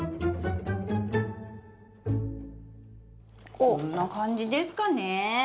こんな感じですかね。